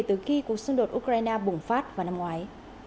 từ khi cuộc xung đột ukraine bùng phát vào năm ngoái